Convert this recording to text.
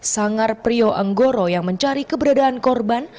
sangar prio anggoro yang mencari keberadaan korban